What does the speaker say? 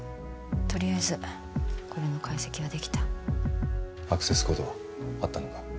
とりあえずこれの解析はできたアクセスコードはあったのか？